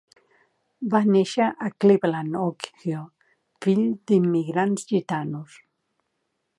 Va néixer a Cleveland Ohio, fill d'immigrants gitanos.